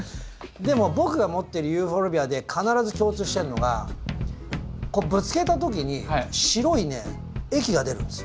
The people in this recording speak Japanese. でも僕が持ってるユーフォルビアで必ず共通してるのがこうぶつけた時に白いね液が出るんですよ。